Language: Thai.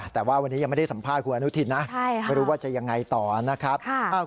แต่ว่าวันนี้ยังไม่ได้สัมภาษณ์คุณอนุทินนะไม่รู้ว่าจะยังไงต่อนะครับ